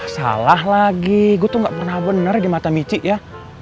salah lagi gue tuh gak pernah bener di mata mici ya